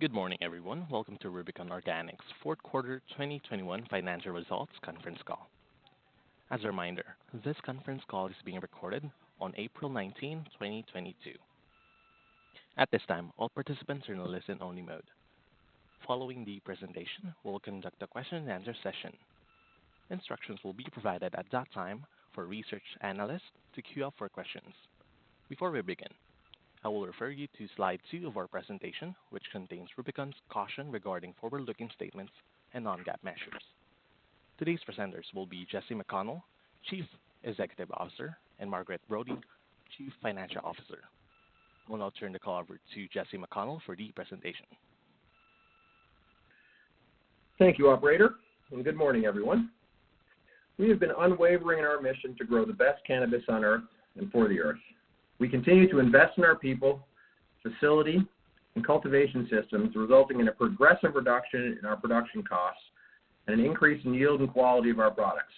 Good morning, everyone. Welcome to Rubicon Organics' fourth quarter 2021 financial results conference call. As a reminder, this conference call is being recorded on April 19, 2022. At this time, all participants are in listen only mode. Following the presentation, we will conduct a question-and-answer session. Instructions will be provided at that time for research analysts to queue up for questions. Before we begin, I will refer you to slide two of our presentation, which contains Rubicon's caution regarding forward-looking statements and non-GAAP measures. Today's presenters will be Jesse McConnell, Chief Executive Officer, and Margaret Brodie, Chief Financial Officer. I will now turn the call over to Jesse McConnell for the presentation. Thank you, operator, and good morning, everyone. We have been unwavering in our mission to grow the best cannabis on Earth and for the Earth. We continue to invest in our people, facility, and cultivation systems, resulting in a progressive reduction in our production costs and an increase in yield and quality of our products,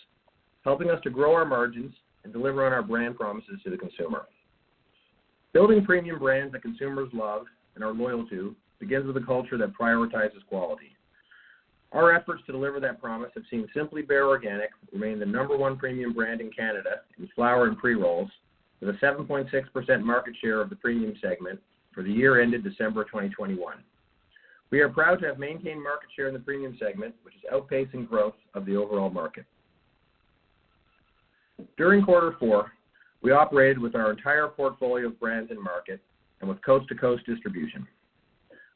helping us to grow our margins and deliver on our brand promises to the consumer. Building premium brands that consumers love and are loyal to begins with a culture that prioritizes quality. Our efforts to deliver that promise have seen Simply Bare Organic remain the number one premium brand in Canada in flower and pre-rolls with a 7.6% market share of the premium segment for the year ended December 2021. We are proud to have maintained market share in the premium segment, which is outpacing growth of the overall market. During quarter four, we operated with our entire portfolio of brands and market and with coast-to-coast distribution.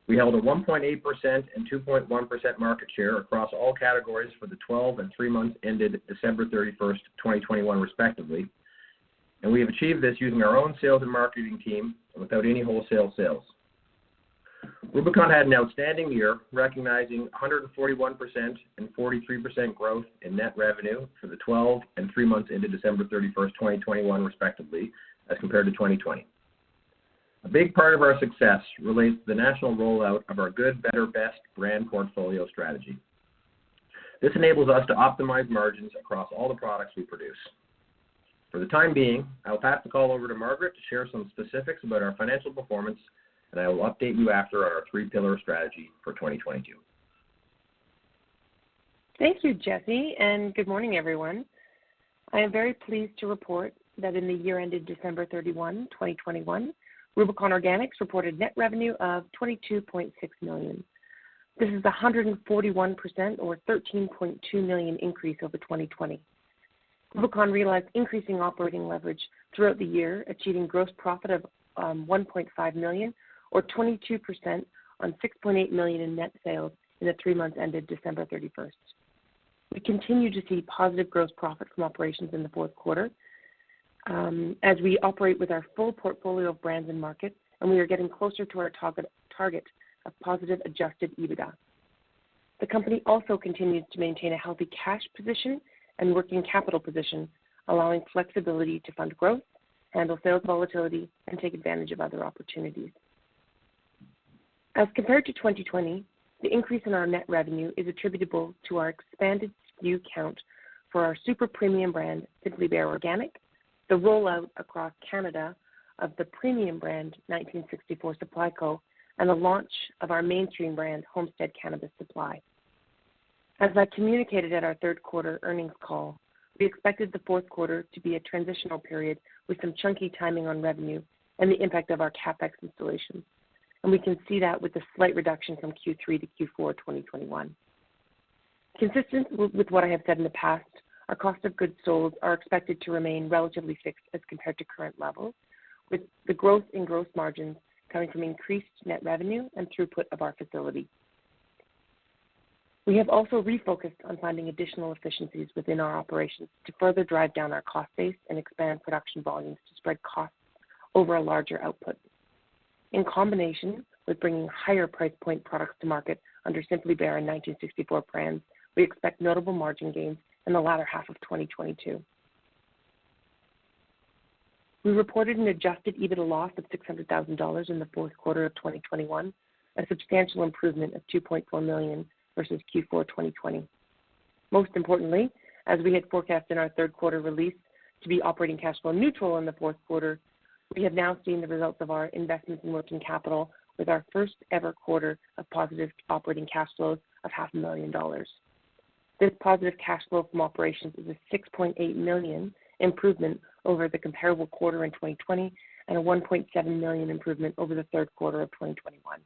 We held a 1.8% and 2.1% market share across all categories for the 12 and three months ended December 31st, 2021, respectively, and we have achieved this using our own sales and marketing team without any wholesale sales. Rubicon had an outstanding year, recognizing a 141% and 43% growth in net revenue for the 12 and three months ended December 31st, 2021, respectively, as compared to 2020. A big part of our success relates to the national rollout of our good, better, best brand portfolio strategy. This enables us to optimize margins across all the products we produce. For the time being, I will pass the call over to Margaret to share some specifics about our financial performance, and I will update you after our three-pillar strategy for 2022. Thank you, Jesse, and good morning, everyone. I am very pleased to report that in the year ended December 31, 2021, Rubicon Organics reported net revenue of 22.6 million. This is a 141% or 13.2 million increase over 2020. Rubicon realized increasing operating leverage throughout the year, achieving gross profit of 1.5 million or 22% on 6.8 million in net sales in the three months ended December 31st. We continue to see positive gross profit from operations in the fourth quarter, as we operate with our full portfolio of brands and markets, and we are getting closer to our target of positive adjusted EBITDA. The company also continues to maintain a healthy cash position and working capital position, allowing flexibility to fund growth, handle sales volatility, and take advantage of other opportunities. As compared to 2020, the increase in our net revenue is attributable to our expanded SKU count for our super premium brand, Simply Bare Organic, the rollout across Canada of the premium brand, 1964 Supply Co., and the launch of our mainstream brand, Homestead Cannabis Supply. As I communicated at our third quarter earnings call, we expected the fourth quarter to be a transitional period with some chunky timing on revenue and the impact of our CapEx installations, and we can see that with the slight reduction from Q3 to Q4, 2021. Consistent with what I have said in the past, our cost of goods sold are expected to remain relatively fixed as compared to current levels, with the growth in gross margins coming from increased net revenue and throughput of our facility. We have also refocused on finding additional efficiencies within our operations to further drive down our cost base and expand production volumes to spread costs over a larger output. In combination with bringing higher price point products to market under Simply Bare and 1964 brands, we expect notable margin gains in the latter half of 2022. We reported an adjusted EBITDA loss of 600,000 dollars In the fourth quarter of 2021, a substantial improvement of 2.4 million versus Q4 2020. Most importantly, as we had forecasted in our third quarter release to be operating cash flow neutral in the fourth quarter, we have now seen the results of our investments in working capital with our first-ever quarter of positive operating cash flows of 500,000 dollars. This positive cash flow from operations is a 6.8 million improvement over the comparable quarter in 2020 and a 1.7 million improvement over the third quarter of 2021.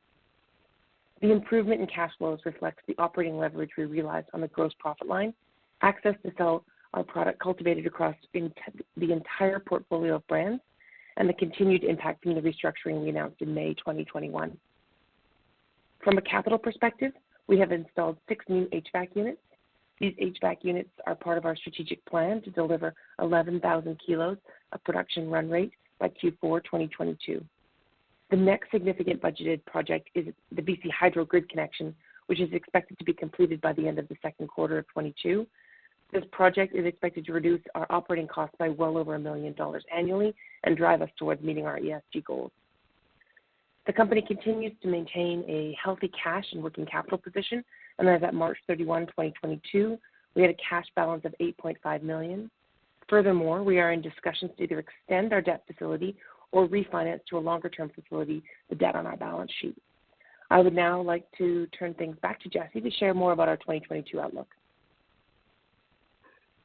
The improvement in cash flows reflects the operating leverage we realized on the gross profit line, access to sell our product cultivated across the entire portfolio of brands, and the continued impact from the restructuring we announced in May 2021. From a capital perspective, we have installed six new HVAC units. These HVAC units are part of our strategic plan to deliver 11,000 kilos of production run rate by Q4 2022. The next significant budgeted project is the BC Hydro grid connection, which is expected to be completed by the end of the second quarter of 2022. This project is expected to reduce our operating costs by well over 1 million dollars annually and drive us towards meeting our ESG goals. The company continues to maintain a healthy cash and working capital position, and as at March 31, 2022, we had a cash balance of 8.5 million. Furthermore, we are in discussions to either extend our debt facility or refinance to a longer-term facility, the debt on our balance sheet. I would now like to turn things back to Jesse to share more about our 2022 outlook.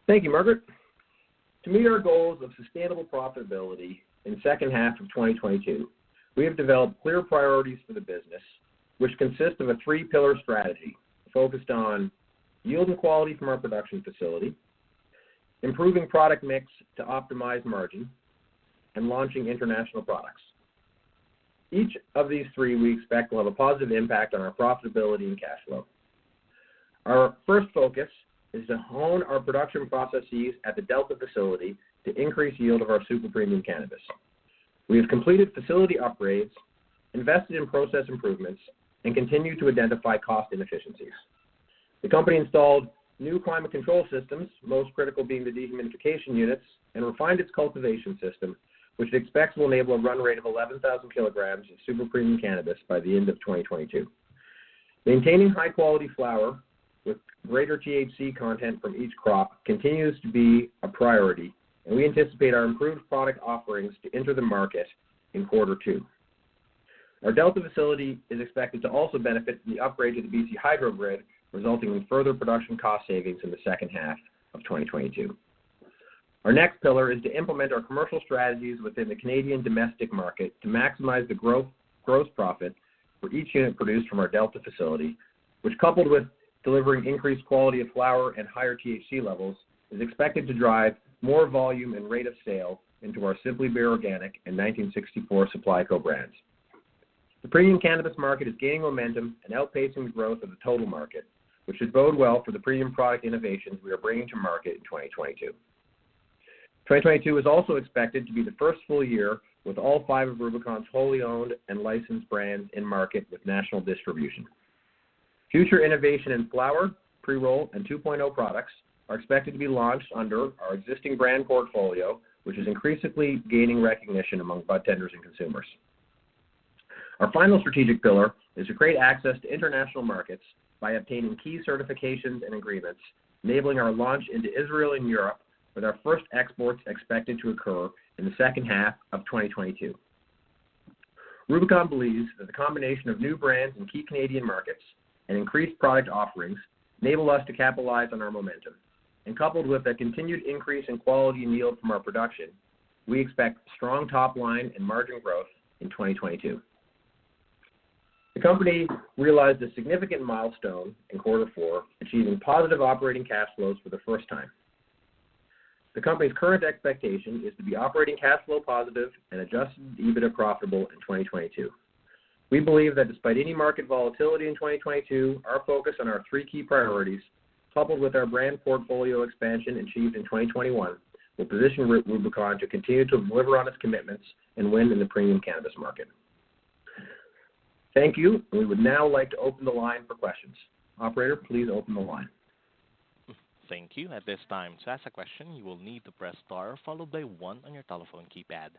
Thank you, Margaret. To meet our goals of sustainable profitability in the second half of 2022, we have developed clear priorities for the business, which consist of a three-pillar strategy focused on yield and quality from our production facility, improving product mix to optimize margin, and launching international products. Each of these three we expect will have a positive impact on our profitability and cash flow. Our first focus is to hone our production processes at the Delta facility to increase yield of our super premium cannabis. We have completed facility upgrades, invested in process improvements, and continue to identify cost inefficiencies. The company installed new climate control systems, most critical being the dehumidification units, and refined its cultivation system, which it expects will enable a run rate of 11,000 kg in super premium cannabis by the end of 2022. Maintaining high-quality flower with greater THC content from each crop continues to be a priority, and we anticipate our improved product offerings to enter the market in quarter two. Our Delta facility is expected to also benefit from the upgrade to the BC Hydro grid, resulting in further production cost savings in the second half of 2022. Our next pillar is to implement our commercial strategies within the Canadian domestic market to maximize the growth, gross profit for each unit produced from our Delta facility, which, coupled with delivering increased quality of flower and higher THC levels, is expected to drive more volume and rate of sale into our Simply Bare Organic and 1964 Supply Co. brands. The premium cannabis market is gaining momentum and outpacing the growth of the total market, which should bode well for the premium product innovations we are bringing to market in 2022. 2022 is also expected to be the first full year with all five of Rubicon's wholly owned and licensed brands in market with national distribution. Future innovation in flower, pre-roll, and 2.0 products are expected to be launched under our existing brand portfolio, which is increasingly gaining recognition among budtenders and consumers. Our final strategic pillar is to create access to international markets by obtaining key certifications and agreements, enabling our launch into Israel and Europe, with our first exports expected to occur in the second half of 2022. Rubicon believes that the combination of new brands in key Canadian markets and increased product offerings enable us to capitalize on our momentum. Coupled with a continued increase in quality and yield from our production, we expect strong top line and margin growth in 2022. The company realized a significant milestone in quarter four, achieving positive operating cash flows for the first time. The company's current expectation is to be operating cash flow positive and adjusted EBITDA profitable in 2022. We believe that despite any market volatility in 2022, our focus on our three key priorities, coupled with our brand portfolio expansion achieved in 2021, will position Rubicon to continue to deliver on its commitments and win in the premium cannabis market. Thank you. We would now like to open the line for questions. Operator, please open the line. Thank you. At this time, to ask a question, you will need to press star followed by one on your telephone keypad.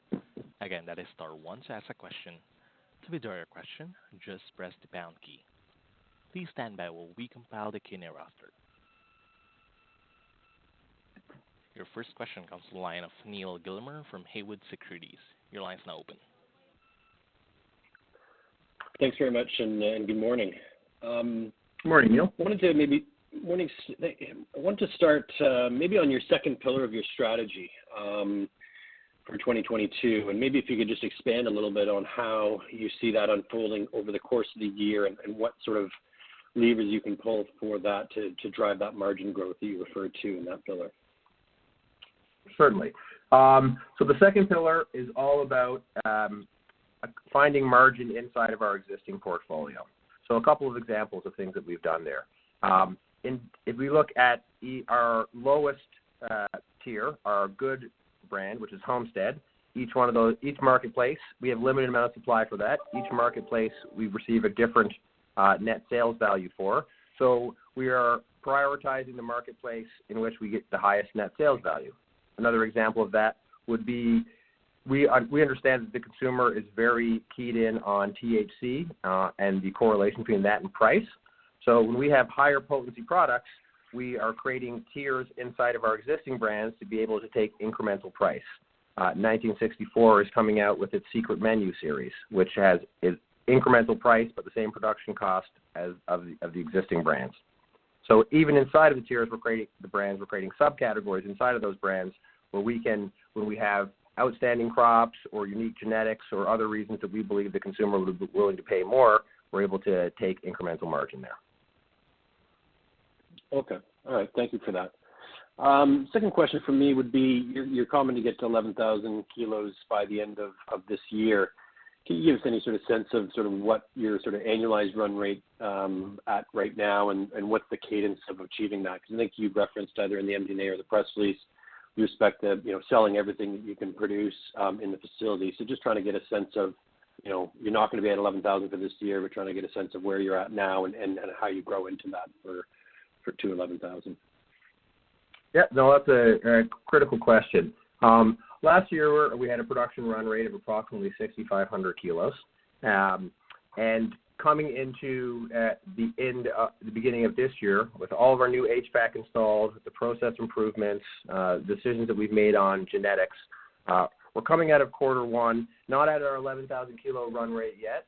Again, that is star one to ask a question. To withdraw your question, just press the pound key. Please stand by while we compile the keynote roster. Your first question comes from the line of Neal Gilmer from Haywood Securities. Your line's now open. Thanks very much, and good morning. Good morning, Neal. I want to start maybe on your second pillar of your strategy for 2022, and maybe if you could just expand a little bit on how you see that unfolding over the course of the year and what sort of levers you can pull for that to drive that margin growth that you referred to in that pillar. Certainly. The second pillar is all about finding margin inside of our existing portfolio. A couple of examples of things that we've done there. If we look at our lowest tier, our good brand, which is Homestead, each one of those, each marketplace, we have limited amount of supply for that. Each marketplace we receive a different net sales value for. We are prioritizing the marketplace in which we get the highest net sales value. Another example of that would be we understand that the consumer is very keyed in on THC and the correlation between that and price. When we have higher potency products, we are creating tiers inside of our existing brands to be able to take incremental price. 1964 is coming out with its Secret Menu series, which has an incremental price but the same production cost as of the existing brands. Even inside of the tiers, we're creating the brands, we're creating subcategories inside of those brands where we can, where we have outstanding crops or unique genetics or other reasons that we believe the consumer would be willing to pay more, we're able to take incremental margin there. Okay. All right. Thank you for that. Second question from me would be, you're committed to get to 11,000 kilos by the end of this year. Can you give us any sort of sense of sort of what your sort of annualized run rate at right now and what the cadence of achieving that? Because I think you referenced either in the MD&A or the press release, you expect that, you know, selling everything that you can produce in the facility. Just trying to get a sense of, you know, you're not gonna be at 11,000 for this year. We're trying to get a sense of where you're at now and how you grow into that to 11,000. Yeah. No, that's a critical question. Last year, we had a production run rate of approximately 6,500 kilos. Coming into the beginning of this year with all of our new HVAC installed, the process improvements, decisions that we've made on genetics, we're coming out of quarter one, not at our 11,000 kilo run rate yet,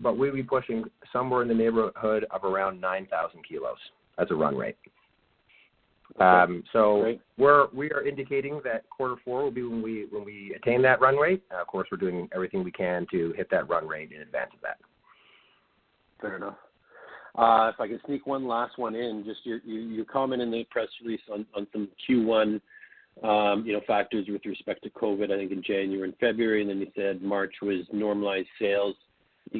but we'll be pushing somewhere in the neighborhood of around 9,000 kilos as a run rate. Great.... we are indicating that quarter four will be when we attain that run rate. Of course, we're doing everything we can to hit that run rate in advance of that. Fair enough. If I could sneak one last one in, just your comment in the press release on some Q1, you know, factors with respect to COVID, I think in January and February, and then you said March was normalized sales.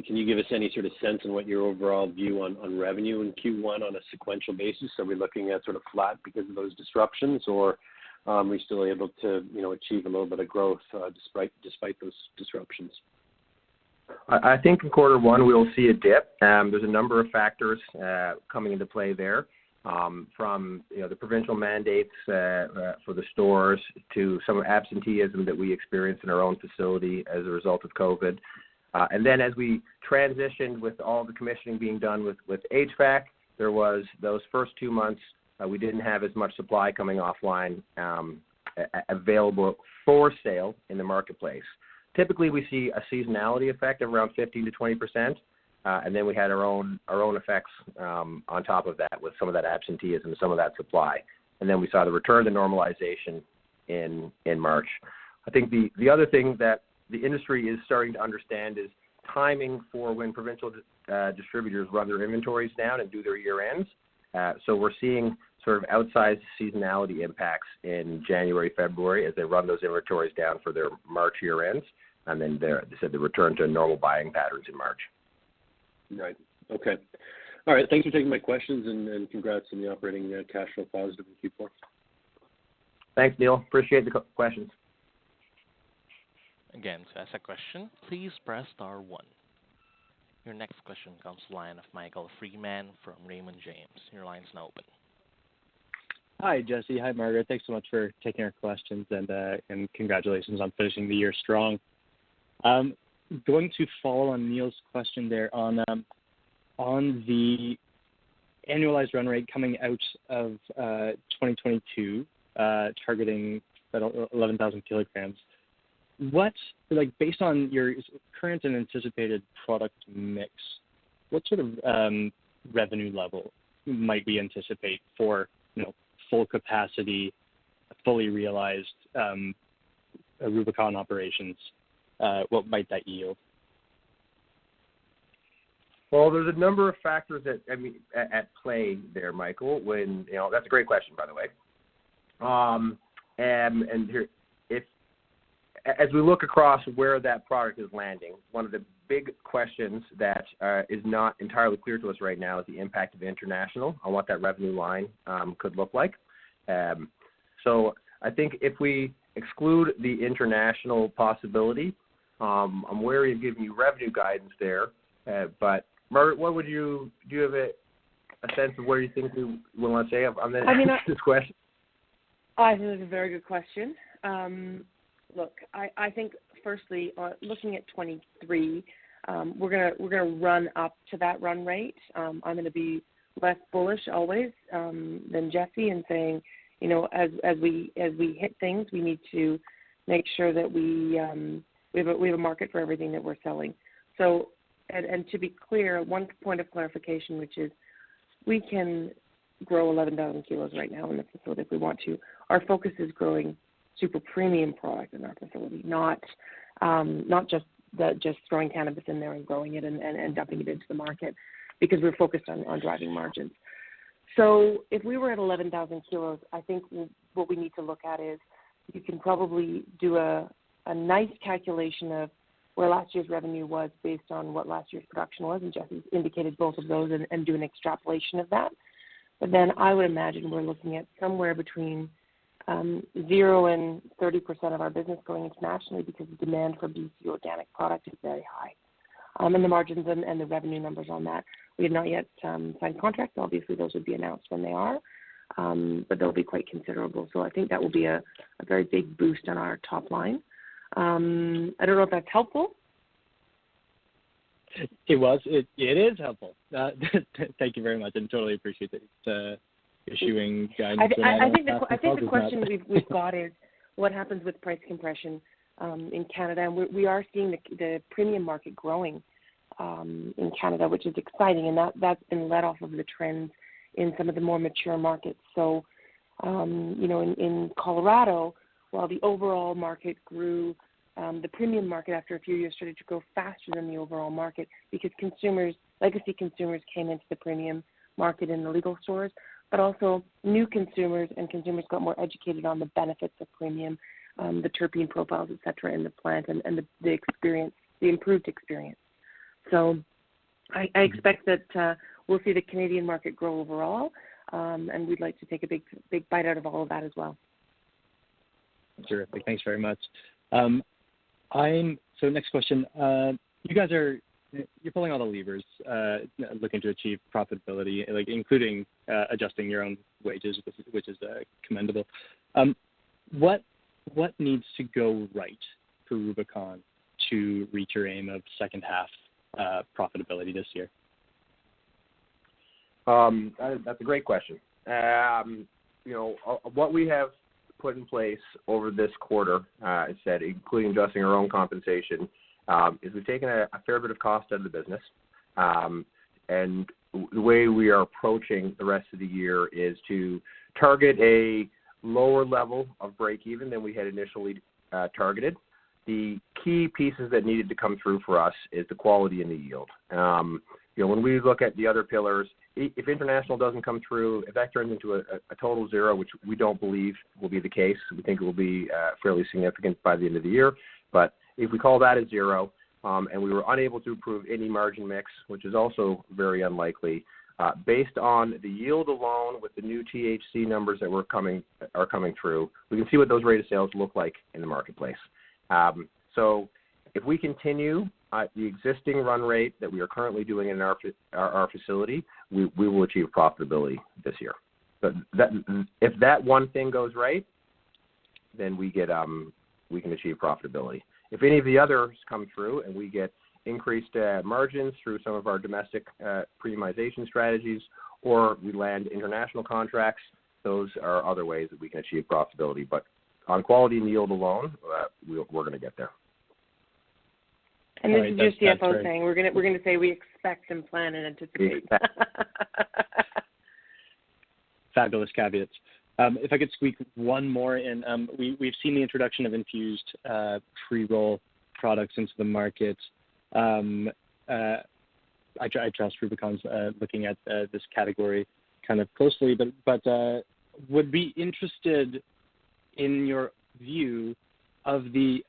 Can you give us any sort of sense on what your overall view on revenue in Q1 on a sequential basis? Are we looking at sort of flat because of those disruptions, or are we still able to, you know, achieve a little bit of growth despite those disruptions? I think in quarter one we'll see a dip. There's a number of factors coming into play there, from you know the provincial mandates for the stores to some absenteeism that we experienced in our own facility as a result of COVID. As we transitioned with all the commissioning being done with HVAC, there was those first two months we didn't have as much supply coming offline available for sale in the marketplace. Typically, we see a seasonality effect of around 15%-20%, and then we had our own effects on top of that with some of that absenteeism and some of that supply. We saw the return to normalization in March. I think the other thing that the industry is starting to understand is timing for when provincial distributors run their inventories down and do their year-ends. We're seeing sort of outsized seasonality impacts in January, February as they run those inventories down for their March year-ends, and then they're, as I said, the return to normal buying patterns in March. Right. Okay. All right. Thanks for taking my questions and congrats on the operating cash flow positive in Q4. Thanks, Neal. Appreciate the questions. Your next question comes from the line of Michael Freeman from Raymond James. Your line's now open. Hi, Jesse. Hi, Margaret. Thanks so much for taking our questions and congratulations on finishing the year strong. Going to follow on Neal's question there on the annualized run rate coming out of 2022, targeting about 11,000 kg. Like, based on your current and anticipated product mix, what sort of revenue level might we anticipate for, you know, full capacity, fully realized Rubicon operations, what might that yield? Well, there's a number of factors at play there, Michael, when. You know, that's a great question, by the way. Here, as we look across where that product is landing, one of the big questions that is not entirely clear to us right now is the impact of international on what that revenue line could look like. So I think if we exclude the international possibility, I'm wary of giving you revenue guidance there. Margaret, do you have a sense of where you think we wanna say on the- I mean. on this question? I think it's a very good question. Look, I think firstly, looking at 2023, we're gonna run up to that run rate. I'm gonna be less bullish always than Jesse in saying, you know, as we hit things, we need to make sure that we have a market for everything that we're selling. To be clear, one point of clarification, which is we can grow 11,000 kilos right now in the facility if we want to. Our focus is growing super premium product in our facility, not just throwing cannabis in there and growing it and dumping it into the market, because we're focused on driving margins. If we were at 11,000 kilos, I think what we need to look at is you can probably do a nice calculation of where last year's revenue was based on what last year's production was, and Jesse's indicated both of those, and do an extrapolation of that. I would imagine we're looking at somewhere between 0% and 30% of our business going internationally because the demand for BC organic product is very high. And the margins and the revenue numbers on that, we have not yet signed contracts. Obviously, those would be announced when they are, but they'll be quite considerable. I think that will be a very big boost on our top line. I don't know if that's helpful. It was. It is helpful. Thank you very much, and totally appreciate that it's issuing guidance- I think the que-... when I know how difficult it is out there. I think the question we've got is what happens with price compression in Canada? We're seeing the premium market growing in Canada, which is exciting, and that's been led by the trends in some of the more mature markets. You know, in Colorado, while the overall market grew, the premium market after a few years started to grow faster than the overall market because consumers, legacy consumers came into the premium market in the legal stores, but also new consumers and consumers got more educated on the benefits of premium, the terpene profiles, et cetera, in the plant and the improved experience. I expect that we'll see the Canadian market grow overall, and we'd like to take a big bite out of all of that as well. Terrific. Thanks very much. Next question. You're pulling all the levers, looking to achieve profitability, like including adjusting your own wages, which is commendable. What needs to go right for Rubicon to reach your aim of second half profitability this year? That's a great question. You know, what we have put in place over this quarter, I said including adjusting our own compensation, is we've taken a fair bit of cost out of the business. The way we are approaching the rest of the year is to target a lower level of break-even than we had initially targeted. The key pieces that needed to come through for us is the quality and the yield. You know, when we look at the other pillars, if international doesn't come through, if that turns into a total zero, which we don't believe will be the case, we think it will be fairly significant by the end of the year. If we call that a zero, and we were unable to improve any margin mix, which is also very unlikely, based on the yield alone with the new THC numbers that are coming through, we can see what those rate of sales look like in the marketplace. If we continue at the existing run rate that we are currently doing in our facility, we will achieve profitability this year. If that one thing goes right, then we can achieve profitability. If any of the others come through, and we get increased margins through some of our domestic premiumization strategies, or we land international contracts, those are other ways that we can achieve profitability. On quality and yield alone, we are gonna get there. All right. That's fair. This is just CFO saying, we're gonna say we expect and plan and anticipate. Fabulous caveats. If I could squeeze one more in. We've seen the introduction of infused pre-roll products into the markets. I trust Rubicon's looking at this category kind of closely, but would be interested in your view of the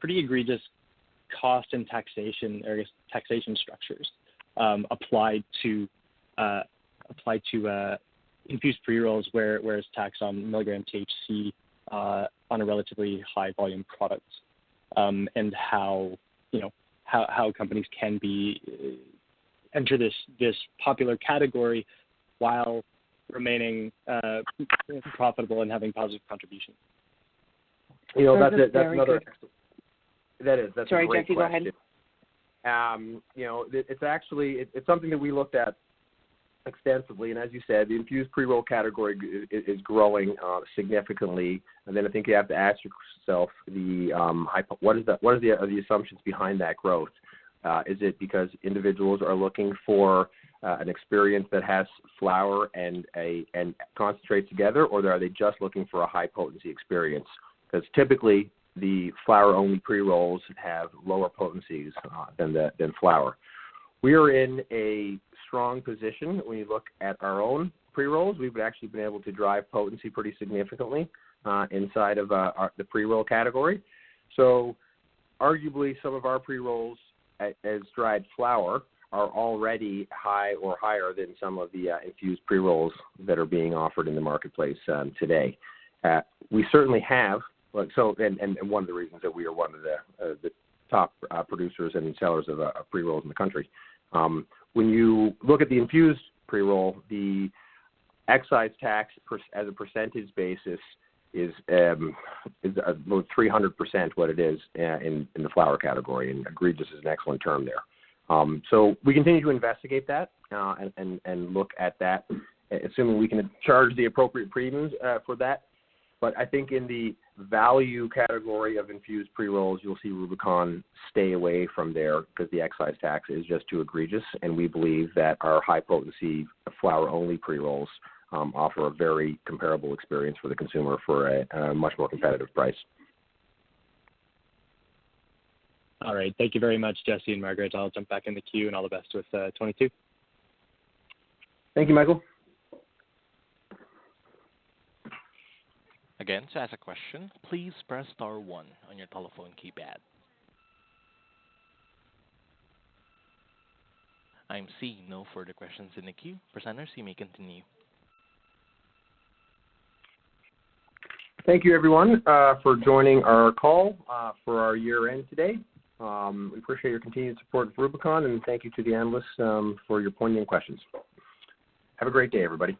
pretty egregious cost and taxation, or I guess taxation structures, applied to infused pre-rolls where it's taxed on milligram THC on a relatively high volume product. You know, how companies can enter this popular category while remaining profitable and having positive contribution. You know, that's another. That's a very fair- That's a great question. Sorry, Jesse, go ahead. You know, it's actually something that we looked at extensively, and as you said, the infused pre-roll category is growing significantly. I think you have to ask yourself what is the assumptions behind that growth? Is it because individuals are looking for an experience that has flower and concentrates together, or are they just looking for a high potency experience? Because typically, the flower only pre-rolls have lower potencies than flower. We are in a strong position when you look at our own pre-rolls. We've actually been able to drive potency pretty significantly inside of our pre-roll category. Arguably, some of our pre-rolls as dried flower are already high or higher than some of the infused pre-rolls that are being offered in the marketplace today. We certainly have, like so, and one of the reasons that we are one of the top producers and sellers of pre-rolls in the country. When you look at the infused pre-roll, the excise tax per, as a percentage basis is about 300% what it is in the flower category, and egregious is an excellent term there. We continue to investigate that and look at that, assuming we can charge the appropriate premiums for that. I think in the value category of infused pre-rolls, you'll see Rubicon stay away from there because the excise tax is just too egregious, and we believe that our high potency flower only pre-rolls offer a very comparable experience for the consumer for a much more competitive price. All right. Thank you very much, Jesse and Margaret. I'll jump back in the queue and all the best with 2022. Thank you, Michael. Again, to ask a question, please press star one on your telephone keypad. I'm seeing no further questions in the queue. Presenters, you may continue. Thank you everyone for joining our call for our year-end today. We appreciate your continued support for Rubicon, and thank you to the analysts for your poignant questions. Have a great day, everybody.